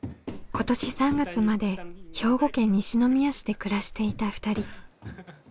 今年３月まで兵庫県西宮市で暮らしていた２人。